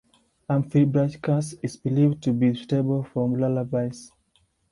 Amfibrachus is believed to be suitable for lullabies.